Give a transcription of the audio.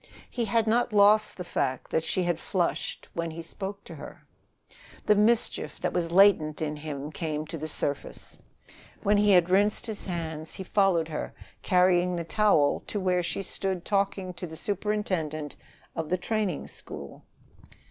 He had not lost the fact that she had flushed when he spoke to her. The mischief that was latent in him came to the surface. When he had rinsed his hands, he followed her, carrying the towel to where she stood talking to the superintendent of the training school.